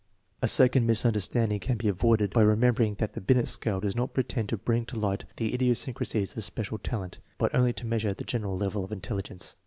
A second misunderstanding can be avoided by remem bering that the Binet scale does not pretend to bring to light the idiosyncrasies of special talent, but only to measure the general level of intelligence.